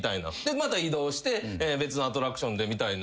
また移動して別のアトラクションでみたいな。